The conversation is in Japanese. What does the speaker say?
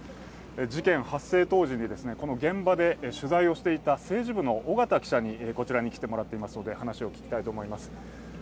事件発生当時、この現場で取材をしていた政治部の緒方記者にこちらに来てもらっているので話を聞きたいと思います。